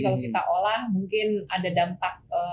kalau kita olah mungkin ada dampak